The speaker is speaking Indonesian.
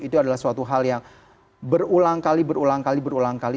itu adalah suatu hal yang berulang kali berulang kali berulang kali